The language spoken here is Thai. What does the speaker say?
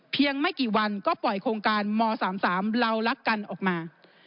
ไม่กี่วันก็ปล่อยโครงการม๓๓เรารักกันออกมา